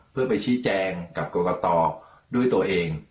เพื่อไปชี้แจงกับกรกตด้วยตัวเอง